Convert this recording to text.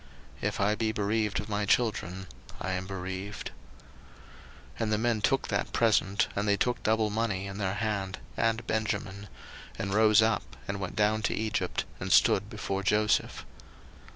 If I be bereaved of my children, I am bereaved. 01:043:015 And the men took that present, and they took double money in their hand and Benjamin; and rose up, and went down to Egypt, and stood before Joseph.